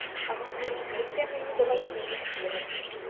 А втім — яке мені до вас діло?